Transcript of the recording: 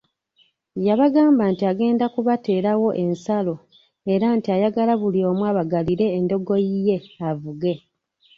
Yabagamba nti agenda kubateerawo ensalo era nti ayagala buli omu abagalire endogoyi ye avuge.